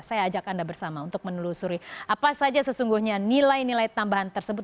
saya ajak anda bersama untuk menelusuri apa saja sesungguhnya nilai nilai tambahan tersebut